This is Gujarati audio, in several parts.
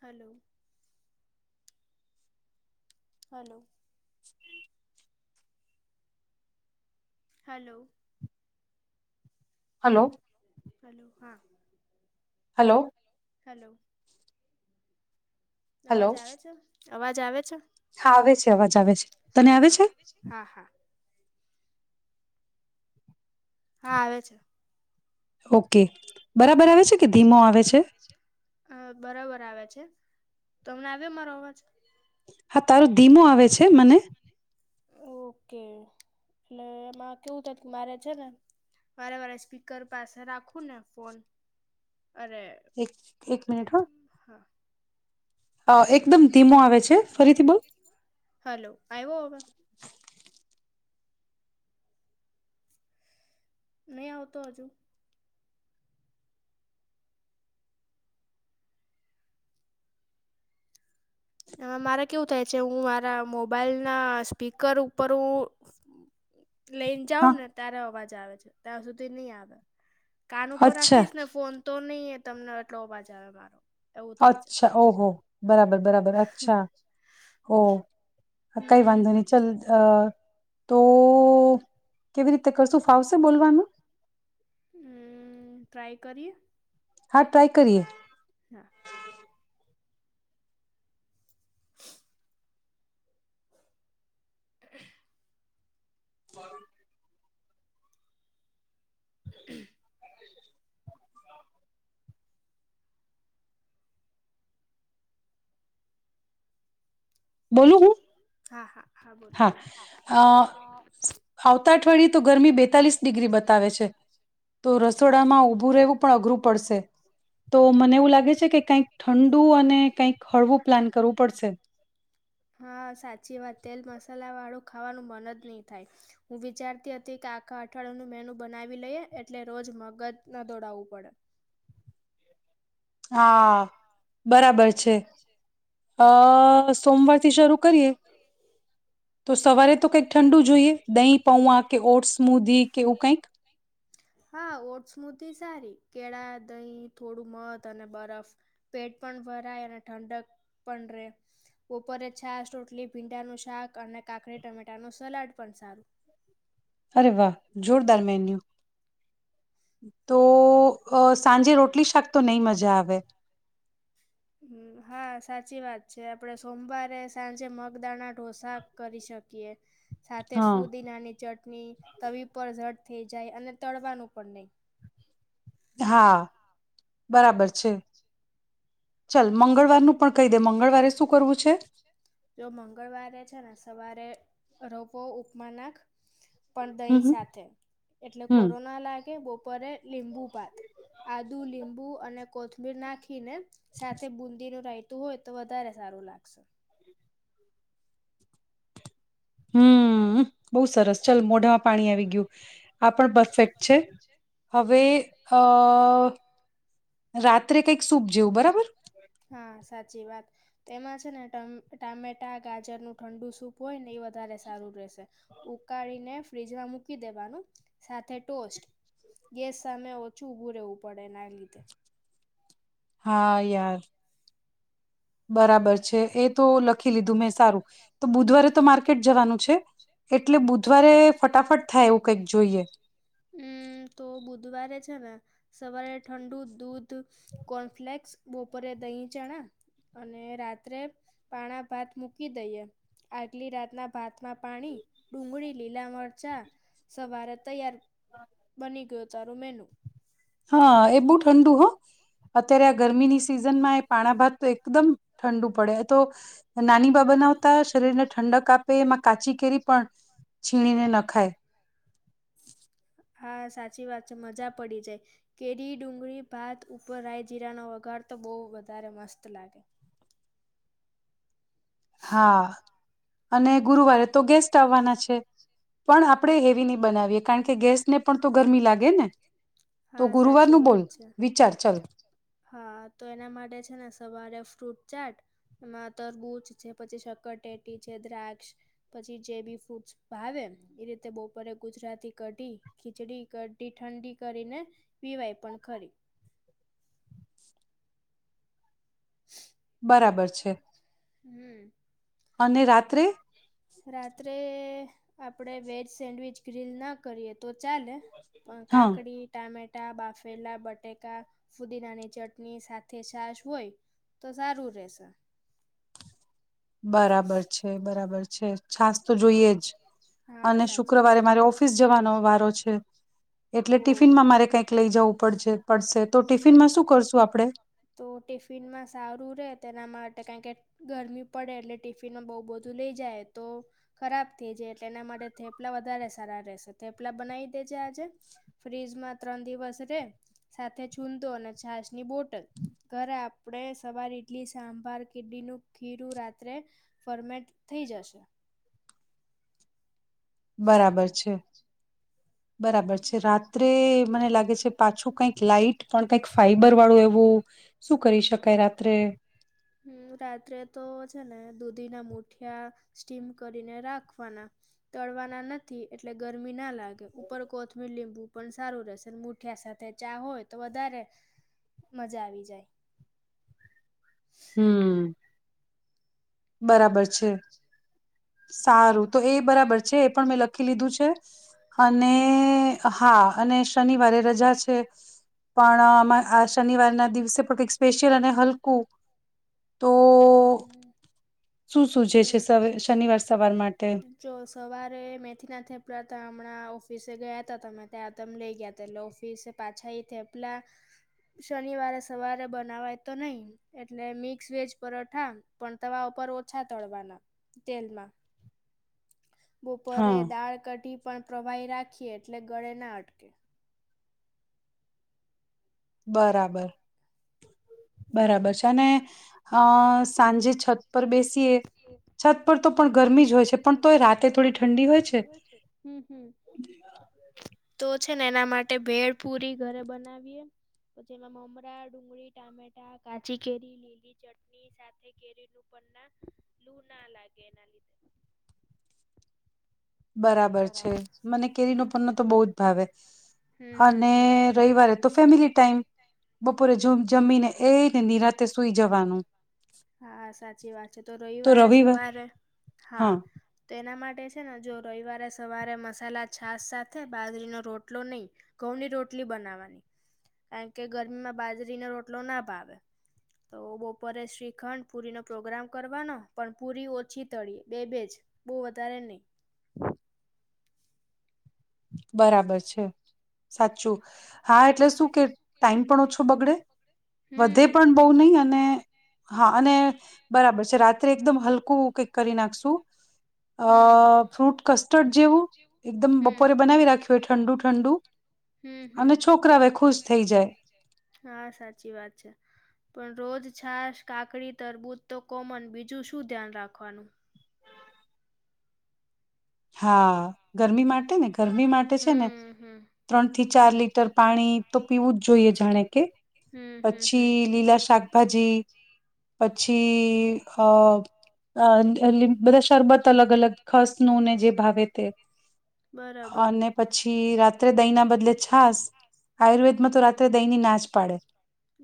હલો. હલો. હમ. હલો. હલો. હલો હા. હલો. હલો. હલો અવાજ આવે છે. અવાજ આવે છે. હા આવે છે અવાજ આવે છે તને હા આવે હા છે. હા હા હા હા આવે છે. ઓકે બરાબર આવે છે. કે ધીમો આવે છે અ બરાબર આવે છે. તો અમને આવ મારો અવાજ. તારું ધીમો આવે છે મને. કે એટલે એમાં કેવું થ કે મારે છે ને મારે વારે સ્પીકર પાસે રાખું ને ફોન. અરે એક એક મિનિટ હો. હા અ એકદમ ધીમો આવે છે ફરીથી બોલ. હલો આવ્યો હવે નહી આવતો હજુ. હ મારે કેવું થાય છે હું મારા મોબાઈલ ના સ્પીકર ઉપર હું. લઈને જાઉ હા ને ત્યારે અવાજ. જા આવે છે ત્યાં સુધી નહી આવે. કાન ઉપર અચ્છા રાખીશ ને ફોન તો નહી એ તમને એટલો અવાાજ આવે મારો. એવું થાય છે અચ્છા ઓહો બરાબર. બરાબર અચ્છા ઓ કઈ હમ વાંધો હમ નહી ચલ અહ અહ તો કેવી રીતે કશું ફાવશે બોલવાનું? હમ્મ ટ્રાય કરીએ. હા ટ્રાય કરીયે. હા. [inaudible] બોલું, હું? હા હા બોલો હા, અહ આવતા અઠવાડિયે તો ગરમી બેતાલીસ ડિગ્રી બતાવે છે, તો રસોડામાં ઊભું રહેવું પણ અઘરું પડશે, તો મને એવું લાગે છે કે કંઈક ઠંડુ અને કંઈક હળવું પ્લાન કરવું પડસે. હા. ચીવા તેલ મસા મસાલા વાળું ખાવાનું મનજ ની થાય, હું વિચારતી હતી કે આખા અઠવાડિયાનું મેનુ બનાવી લઈએ, એટલે રોજ મગજ ના દોડાવવું પડે. હા. બરાબર છે. અહ સોમવાર થી શરૂ કરીએ. તો સવારે તો કંઈક ઠંડુ જોઈએ, દહીં પૌઆ કે ઓટસ સ્મુધી કે એવું કંઈક? હા ઓટ સ્મૂધી સારી કેળા, દહીં, થોડું મધ અને બરફ, પેટ પણ ભરાય અને ઠંડક પણ રે, બોપરે છાસ, રોટલી, ભીંડાનું શાક અને કાકડી ટમેટા નું સલાડ પણ સારું. અરે વાહ! જોરદાર મેન્યુ, તો અહ, સાંજે રોટલી શાક તો નહી મજા આવે. હા, સાચી વાત છે, આપડે સોમવારે સાંજે મગદાણા ડોસા કરી શક કે સાથે હા ફુદીનાની ચટણી, તવી પર ઝટ થઈ જાય અને તળવાનું પણ નઈ. હા, બરાબર છે. ચાલ મંગળવારનું પણ કહી દે, મંગળવારે શું કરવું છે? જો મંગળવારે છે ને, સવારે રવો ઉપમા નાક પણ હમ દહી સાથે, એટલે હમ કોરો ના લા કે બપોરે લીંબુ ભાત, આદુ, લીંબુ અને કોથમીર નાખી નાખીને સાથે બુંદીનું રાઈત તું હોય, તો વધારે સારું લાગશે. હમ્મ, બોવ સરસ ચાલ મોઢામાં પાણી આવી ગયું, આ પણ પરફેક્ટ છે, હવે અ રાત્રે કઈક સૂપ જેવું, બરાબર. હા, સાચી વાત એમાં છે, ને ટમ ટામેટા ગાજરનું ઠંડુ સૂપ હોય ને એ વધારે સારું રેશે, ઉકાળીને ફ્રીજમાં મૂકી દેવાનું, સાથે ટોસ્ટ, ગેસ સામે ઓછું ઉભું રહેવું પડે, એના લીધે. હા, યાર. બરાબર છે, એતો લખી લીધું મેં સારું તો બુધવારે તો માર્કેટ જવાનું છે, એટલે બુધવારે ફટાફટ થાય, એવું કઈક જોઈએ. હમ તો બુધવારે છે ને સવારે ઠંડુ દૂધ કોનફ્લેક્સ, બપોરે દહીં ચણા અને રાત્રે પાણાભાત મૂકી દઈએ, આગલી રાતના ભાતમાં પાણી, ડુંગળી, લીલા મરચાં, સવારે તૈયાર. બની ગયું. તારું મેનું. હા, એ બહ ઠંડુ હો, અત્યારે આ ગરમીની સિઝનમાં એ પાણાભાત તો એકદમ ઠંડુ પડે, તો નાની બા બનાવતા શરીરને ઠંડક આપે, એમાં કાચી કેરી પણ છીણીને નખાય. હા, સાચી વાત છે, મજા પડી જાય, કેરી, ડુંગળી, ભાત ઉપર રાય જીરા નો વઘાર તો બો વધારે મસ્ત લાગે. હા. અને ગુરુવારે તો ગેસ્ટ આવવાના છે, પણ આપણે હેવી નહી બનાવીએ કારણ કે ગેસને પણ તો ગરમી લાગેને. હા સાચી વાત છે, ચાલ હા તો એના માટે છે, ને સવારે ફ્રૂટ ચાટ એમાં તરબૂજ છે, પછી શકટી છે, દ્રાક્ષ પછી જે બી ફૂડ ભાવે એ રીતે બપોરે ગુજરાતી કઢી ખીચડી કઢી થડી. કરીને પીવાઈ પણ ખરી. [inaudible] બરાબર છે. હમ. અને રાત્રે. રાત્રે આપડે વેજ સેન્ડવીચ ગ્રીલ ના કરીએ તો ચાલે. પણ હા કાકડી ટામે ટા, બાફેલા બટેકા, ફુદીનાની ચટણી, સાથ છાશ હોય તો સારું રેશે. બરાબર છે બરાબર છે, છાસ તો જોઈએે જ. હા અને સાચી વાત શુક્રવારે મારે ઓફિસ જવાનો વારો છે, એટલે ઓહો ટિફિનમાં મારે કઈક લઇ જવું પડજે પડશે. તો ટિફિનમાં શું કરશું આપડે? તો ટિફિનમાં સારું રહે [unintelligible] કે ગરમી પડે એટલે ટિફિન બહુ બધું લઇ જાય તો ખરાબ થઈ જાય. તેના માટે થેપલા વધારે સારા રહેશે, થેપલા બનાવી દેજે આજ. [inaudible] ફ્રીજમાં ત્રણ દિવસ રે સાથે છુંદો અને છાસ ની બોટલ. ઘરે આપણે સવાર ઈડલી સાંભાર [unintelligible] ખીરું રાત્રે ફરમેન્ટ થઈ જશે. બરાબર છે. બરાબર છે, રાત્રે મને લાગે છે, પાછું કઈક લાઈટ પણ કઈક ફાઈબર વાળું એવું, શું કરી શકાય રાત્રે? હમ રાત્રે તો છે, ને દૂધીના મુઠિયા સ્ટીમ કરીને રાખવાના તળવાના નથી, એટલે ગરમી ના લાગે ઉપર કોથમીર લીંબુ પણ સારું રહેશે, મુઠિયા સાથે ચા ઓય તો વદારે મજા આવી જાય. હમ. બરાબર છે. સારું તો એ બરાબર છે, એ પણ મેં લખી લીધું છે. હમ હમ અને હા અને શનિવારે રજા છે, પણ અમાં આ શનિવાર ના દિવસે પકંઈક સ્પેશિયલ અને હલકું તો હમ. શું સૂજે છે હમ સવે શનિવાર સવાર માટે હમ જો સવારે મેથીના થપડાતા હમણાં ઓફિસે ગયા ત તમે ત્યાં ત લઇ ગયા હતા એટલે ઓફિસે પાછા થપલા, શનિવારે સવારે બનાવાય તો નહી, એટલે મિક્સ વેજ પરોઠા પણ તમાવા ઉપર પાછા તળવાના, તેલમાં. બપોરે હા દાળ કઢી પણ પ્રવાહી રાખીએ એટલે ગળે ના અટકે. બરાબર. હમ બરાબર છે અને અ સાંજે છ. પર બેસીએ, છત પર તો પણ ગરમી જ હોય છે પણ તો એ રાતે થોડી ઠંડી હોય છે. હમ હમ તો છે ને એના માટે ભળ પુરી ઘરે બનાવીએ તો જેમાં મમરા ડુંગળી ટામેટા કાચી કેરી લીલી ચટણી સાથે કેરીનુંું પના. લૂ ના લાગે એના લીધે. બરાબર છે મને કેરીનો પ ન તો બહુ જ ભાવે. હમ હમ અને હમ રવવારે તો ફેમિલી ટાઈમ બપોરે જમ. જમીને એઈ ને નિનીરાતે સુઈ જવાનું. હા સાચી વાત છે તો રવિવારે સવારે હા તો એના માટે. છે જો રવિવારે સવારે મસાલા છાસ સાથે બાજરીનો રોટલો નહી ઘઉંની રોટલી બનાવાની કારણ કે ગરમીમાં બાજરીનો રોટલો ના ભાવે તો બહપરે. ખંડ પુરી નો પ્રોગ્રામ કરવાનો પણ પુરી ઓછી તળીય બે બેજ બહ વધારે નહી. બરાબર છે સાચું હા એટલે શું કે ટાઈમ પણ ઓછો બગડે. વધે હમ પણ બહ નહીિ અને હા અને બરાબર છે રાત્રે એકદમ હલકું કેક કરી નાખશું. અ હમ હમ ફ્રૂટ કસ્ટર્ડ જેવું એકદમપ. હમ બોરે બનાવી રાખ્યું હોય ઠંડુ ઠંડુ હમ હમ અને છોકરા હવે ખુશ થઈ જાય. હા છાસ કાકડી તરબૂદ તો કોમન બીજું શું ધ્યાન રાખવાનું. હા ગરમી માટે ને. ગરમી માટે છે ને હમ હમ ત્રણથી. થી ચાર લીટર પાણી તો પીવું જ જોઈએ જાણે કે. હમ હમ હમ પછી લીલા શાકભાજી પછી. અ એ. બધા શરબત અલગ અલગ ખસ નું ને. તે બરાબર અને પછી રાત્રે દહીં ના બદલે છાસ આયુર્વેદમાં હમ તો રાત્રે દહીની નાચ પાડે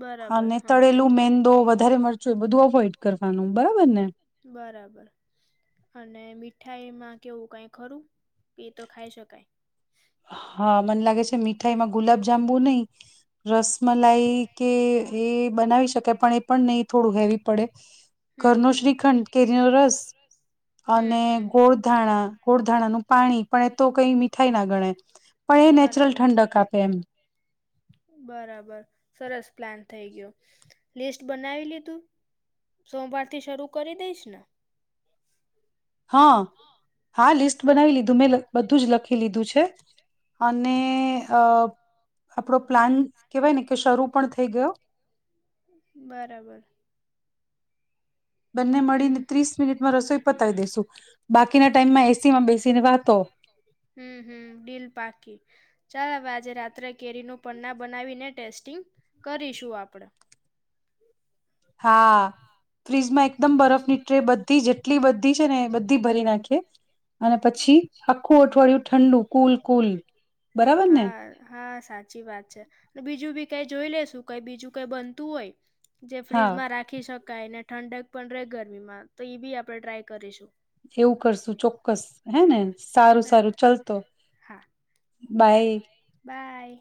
બરાબર અને હા હા તળેલું મેંદો વધારે મરચું બધું અવોઈડ. કરવાનું બરાબર ને. બરાબર અને મીઠાઈમાં કેવું કઈ ખરું કે એ તો ખાઈ શકાય. અ મને લાગે છે મીઠાઈમાં ગુલાબ જાંબુ નહીિ રસમલાઈ કે એ બનાવી શકાય પણ એ પણ નહીિ થોડું હેવી પડે. હમ ઘરનો હમ શ્રીખંડ કેરીનો રસ અને હમ હમ ગોળધાણા ગોળધાણાનું. પાણી પણ એ તો કઈ મીઠાઈ ના ગણે. [inaudible] નેચરલ બરાબર ઠંડક આપે એમ બરાબર સરસ. પ્લાન થઈ ગયો લિસ્ટ બનાવી લીધું સોમવાર થી શરૂ કરી દઈશ ને. હા હા લિસ્ટ બનાવી લીધું મેં બધું જ લખી લીધું છે અને આપણો પ્લાન કહેવાય ને કે શરૂ પણ થઈ ગયો. બરાબર. બંને હમ મળીને ત્રીસ મિનિટમાં રસોઈ. પતાય દસો. લકી. ચાલ હવે આજે રાત્રે કેરી નું પન્ના બનાવી ને ટેસ્ટિંગ. કરીશું આપણે. હા ફ્રીજમાં એકદમ બરફ ની ટ્રે બધી જેટલી બધી છે, ને બધી ભરી નાખે અને પછી આખું અઠવાડિયું ઠંડુ કુલ કુલ બરાબર ને હા હા સા સાચી વાત છે, બીજું બી કઈ જોઈ લેશું કઈ બીજું કઈ બનતું હોય જે હા ફ્રીજમાં રાખી શકાયને ઠંડક પણ રહે ગરમીમાં તો ઈ બી આપણે ટ્રાય કરીશું. એવું કરશું ચોક્કસ હે ને. સારું હા ને? સારું ચાલતો હા સારું બાય. બાય